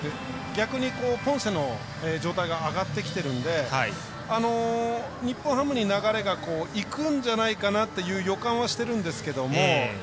逆にポンセの状態が上がってきてるので日本ハムに流れがいくんじゃないかなっていう予感はしてるんですけども。